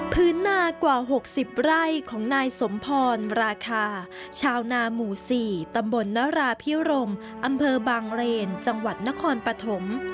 นากว่า๖๐ไร่ของนายสมพรราคาชาวนาหมู่๔ตำบลนราพิรมอำเภอบางเรนจังหวัดนครปฐม